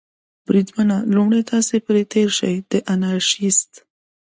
بریدمنه، لومړی تاسې پرې تېر شئ، د انارشیست.